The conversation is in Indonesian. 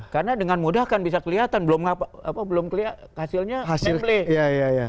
karena dengan mudah kan bisa kelihatan belum kelihatan hasilnya membeli